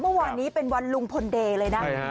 เมื่อวานนี้เป็นวันลุงพลเดย์เลยนะ